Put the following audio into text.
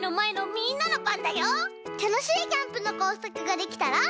たのしいキャンプのこうさくができたら。